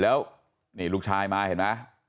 แล้วนี่ลูกชายมาเห็นไหม